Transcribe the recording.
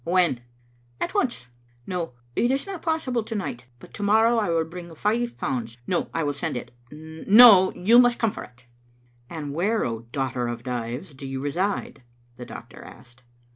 "When?" "At once. No, it is not possible to night, but to morrow I will bring five pounds; no, I will send it; no, you must come for it. " "And where, O daughter of Dives, do you reside?" the doctor asked.